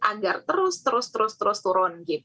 agar terus terus terus terus terus turun